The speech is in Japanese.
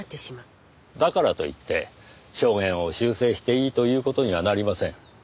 だからといって証言を修正していいという事にはなりません。